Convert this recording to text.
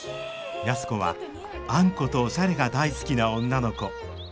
安子はあんことおしゃれが大好きな女の子。